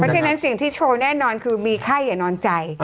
ฉะนั้นสิ่งที่โชว์แน่นอนคือมีไข้อย่านอนใจ